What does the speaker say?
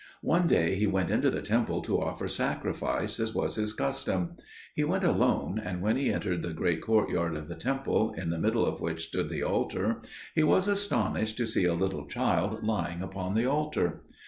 One day he went into the temple to offer sacrifice, as was his custom. He went alone, and when he entered the great courtyard of the temple, in the middle of which stood the altar, he was astonished to see a little child lying upon the altar.